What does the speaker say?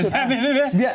tapi siapa yang dimaksud